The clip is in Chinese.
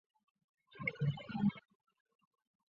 殿试登进士第三甲第八十一名。